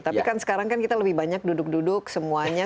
tapi kan sekarang kan kita lebih banyak duduk duduk semuanya